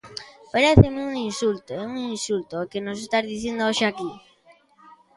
Paréceme un insulto, é un insulto o que nos está dicindo hoxe aquí.